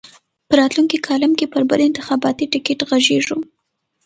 په راتلونکي کالم کې پر بل انتخاباتي ټکټ غږېږو.